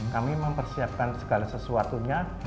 kami mempersiapkan segala sesuatunya